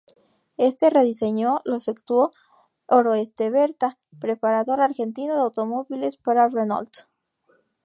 Este rediseño lo efectuó Oreste Berta, preparador argentino de automóviles, para Renault.